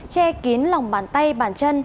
che kín lòng bàn tay bàn chân